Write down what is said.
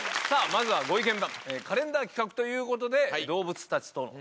さぁまずはご意見番カレンダー企画ということで動物たちと。